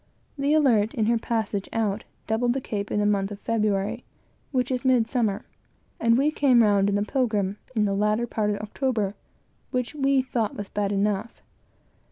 The Alert, in her passage out, doubled the Cape in the month of February, which is midsummer; and we came round in the Pilgrim in the latter part of October, which we thought was bad enough.